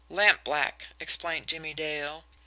"Lampblack," explained Jimmie Dale.